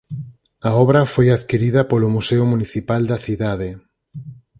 A obra foi adquirida polo museo municipal da cidade.